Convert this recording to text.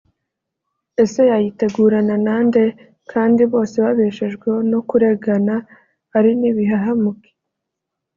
ese yayitegurana nande kandi bose babeshejweho no kuregana ari n’ibihahamuke